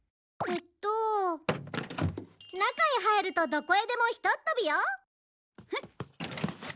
中へ入るとどこへでもひとっ飛びよ。